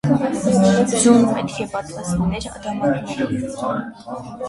Ձուն պետք է պատված լիներ ադամանդներով։